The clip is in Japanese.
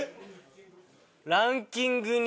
ランキングに。